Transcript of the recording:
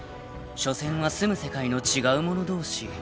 ［しょせんは住む世界の違う者同士］